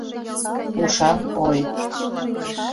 Ушан ой.